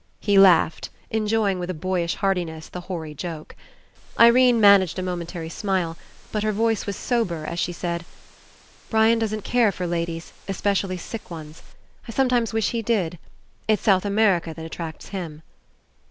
He laughed, en joying, with a boyish heartiness, the hoary joke. Irene managed a momentary smile, but her voice was sober as she said: "Brian doesn't care for ladies, especially sick ones. I some times wish he did. It's South America that at tracts him."